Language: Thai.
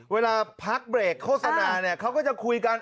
เวลาพักเบรกโฆษณาเนี่ยเขาก็จะคุยกัน